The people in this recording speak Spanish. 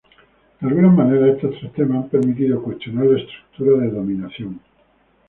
De alguna manera esos tres temas han permitido cuestionar la estructura de dominación.